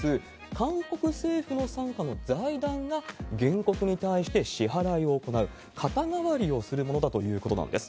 韓国政府の傘下の財団が原告に対して支払いを行う、肩代わりをするものだということなんです。